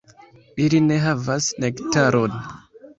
Ili ne havas nektaron.